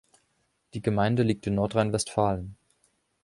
Die Gemeinde liegt in Nordrhein-Westfalen.